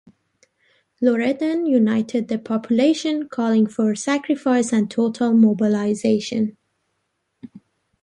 Loredan united the population, calling for sacrifice and total mobilisation.